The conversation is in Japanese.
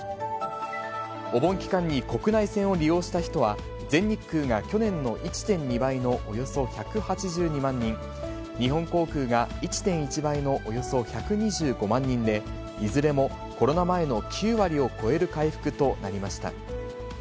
お盆期間に国内線を利用した人は、全日空が去年の１．２倍のおよそ１８２万人、日本航空が１．１倍のおよそ１２５万人で、いずれもコロナ前の９割を超える回復となりました。